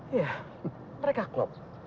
iya mereka klop